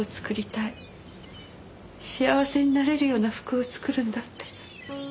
幸せになれるような服を作るんだって。